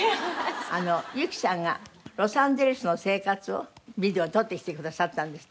雪さんがロサンゼルスの生活をビデオ撮ってきてくださったんですって。